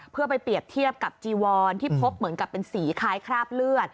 เพื่อไปเปรียบเทียบกับจีวอนที่พบเหมือนกับเป็นสีคล้ายคราบเลือด